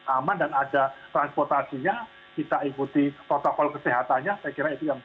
aman dan ada transportasinya kita ikuti protokol kesehatannya saya kira itu yang